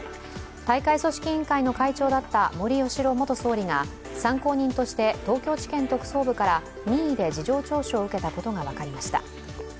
大会組織委員会の会長だった森喜朗元総理が参考人として東京地検特捜部から任意で事情聴取を受けたことが分かりました。